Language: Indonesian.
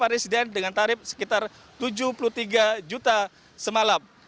presiden dengan tarif sekitar tujuh puluh tiga juta semalam